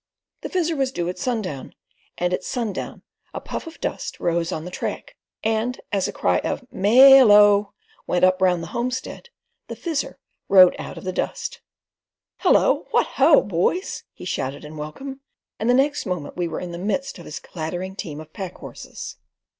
The Fizzer was due at sundown, and at sundown a puff of dust rose on the track, and as a cry of "Mail oh!" went up all round the homestead, the Fizzer rode out of the dust. "Hullo! What ho! boys," he shouted in welcome, and the next moment we were in the midst of his clattering team of pack horses.